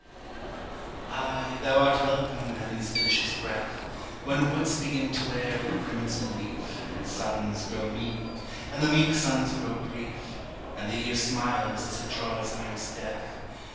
Ay, thou art welcome, heaven's delicious breath, When woods begin to wear the crimson leaf, And suns grow meek, and the meek suns grow brief, And the year smiles as it draws near its death.